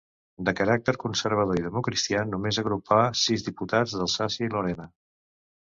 De caràcter conservador i democristià, només agrupà sis diputats d'Alsàcia i Lorena.